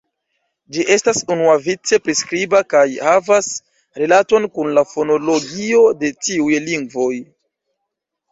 Ĝi estas unuavice priskriba kaj havas rilaton kun la fonologio de tiuj lingvoj.